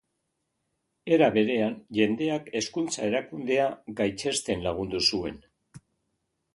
Era berean, jendeak hezkuntza erakundea gaitzesten lagundu zuen.